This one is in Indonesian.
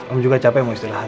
om juga capek mau istirahat